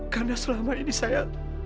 karena selama ini saya